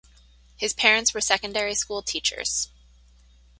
His parents were secondary school teachers.